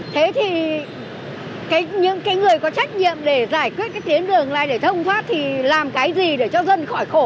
thế thì những cái người có trách nhiệm để giải quyết cái tiến đường này để thông thoát thì làm cái gì để cho dân khỏi khổ